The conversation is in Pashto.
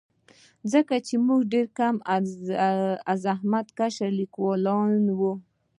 ځکه موږ ډېر کم زحمتکښ لیکوالان لرو.